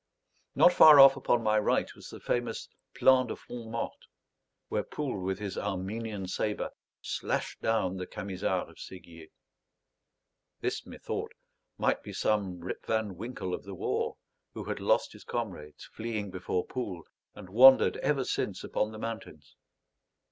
Not far off upon my right was the famous Plan de Font Morte, where Poul with his Armenian sabre slashed down the Camisards of Séguier. This, methought, might be some Rip van Winkle of the war, who had lost his comrades, fleeing before Poul, and wandered ever since upon the mountains.